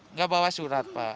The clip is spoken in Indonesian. nggak bawa surat pak